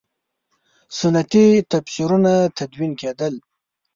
سنتي تفسیرونه تدوین کېدل.